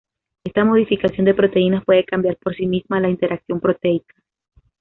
Esta modificación de proteínas puede cambiar por sí misma la interacción proteica.